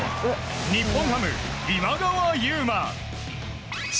日本ハム、今川優馬。